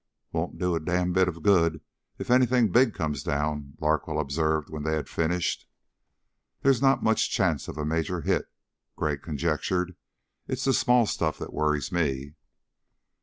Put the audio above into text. "Won't do a damn bit of good if anything big comes down," Larkwell observed when they had finished. "There's not much chance of a major hit," Crag conjectured. "It's the small stuff that worries me."